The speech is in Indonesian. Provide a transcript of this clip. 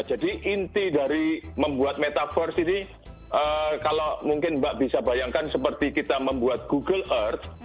jadi inti dari membuat metaverse ini kalau mungkin mbak bisa bayangkan seperti kita membuat google earth